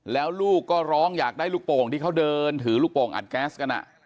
แล้วลูกก็ร้องอยากได้ลูกโป่งที่เขาเดินถือลูกโป่งอัดแก๊สกัน